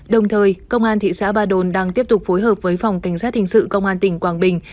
đồng thời công an thị xã ba đồn đang tiếp tục phối hợp với phòng cảnh sát hình sự công an tỉnh quảng bình